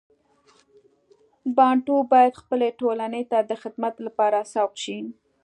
بانټو باید خپلې ټولنې ته د خدمت لپاره سوق شي.